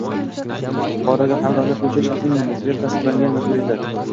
fuqaroga hamrohlik qiluvchi shaxsning notarial tasdiqlangan majburiyati